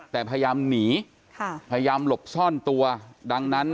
แต่พยายามหนีค่ะพยายามหลบซ่อนตัวดังนั้น